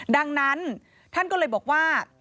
ดังนั้นท่านก็เลยบอกว่า